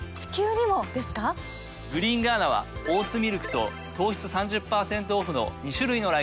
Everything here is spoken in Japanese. グリーンガーナはオーツミルクと糖質３０％オフの２種類のラインナップ。